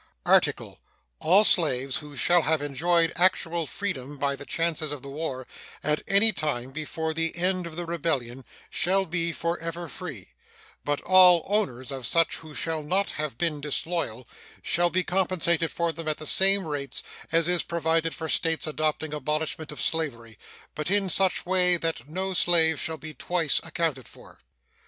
ART. All slaves who shall have enjoyed actual freedom by the chances of the war at any time before the end of the rebellion shall be forever free; but all owners of such who shall not have been disloyal shall be compensated for them at the same rates as is provided for States adopting abolishment of slavery, but in such way that no slave shall be twice accounted for.